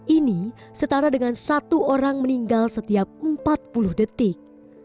ini setara dengan satu orang meninggal setiap empat puluh detik